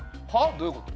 どういうこと？